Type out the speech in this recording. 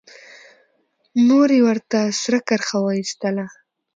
مور يې ورته سره کرښه وايستله.